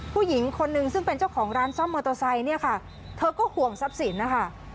ผู้หญิงคนนึงซึ่งเป็นเจ้าของร้านซ่อมมอเตอร์ไซค์เนี่ยค่ะเธอก็ห่วงทรัพย์สินนะคะ